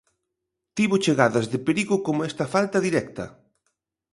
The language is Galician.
Tivo chegadas de perigo como esta falta directa.